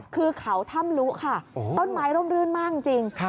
คือเขาถ้ำลุค่ะต้นไม้ร่มรื่นมากจริง